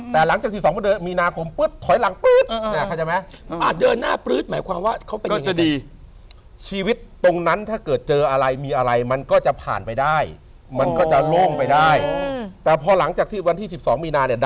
แต่หลังจาก๑๒มีนาคมถอยหลังปื๊ด